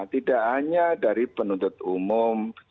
tidak hanya dari penuntut umum